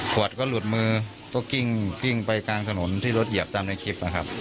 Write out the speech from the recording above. วดก็หลุดมือก็กิ้งไปกลางถนนที่รถเหยียบตามในคลิปนะครับ